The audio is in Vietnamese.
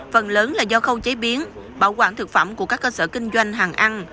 phần lớn là do khâu chế biến bảo quản thực phẩm của các cơ sở kinh doanh hàng ăn